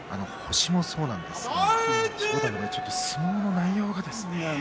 星もそうなんですが正代の場合、相撲の内容が。